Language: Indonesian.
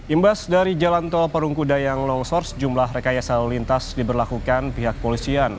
imbas dari jalan tol parungkuda yang longsor sejumlah rekayasa lalu lintas diberlakukan pihak polisian